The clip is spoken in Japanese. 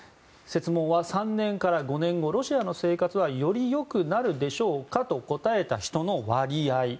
設問は３年から５年後ロシアの生活はより良くなるでしょうかと答えた人の割合。